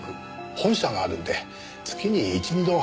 本社があるんで月に１２度。